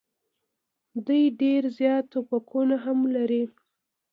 دوی ډېر زیات توپکونه هم لري.